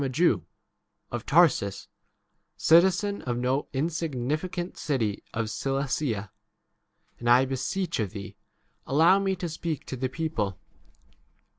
a Jewi of Tarsus, citizen of no insignificant city of Cilicia, and I beseech of thee, allow me to speak 40 to the people.